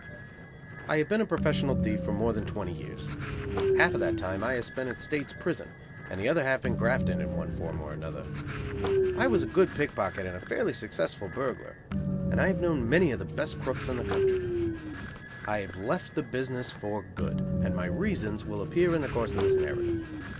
_ I have been a professional thief for more than twenty years. Half of that time I have spent in state's prison, and the other half in "grafting" in one form or another. I was a good pickpocket and a fairly successful burglar; and I have known many of the best crooks in the country. I have left the business for good, and my reasons will appear in the course of this narrative.